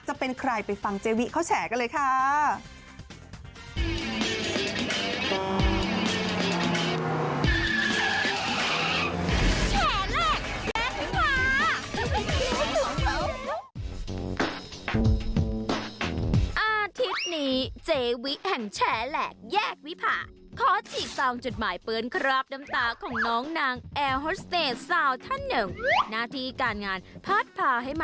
จะเป็นใครไปฟังเจวิเขาแฉกันเลยค่ะ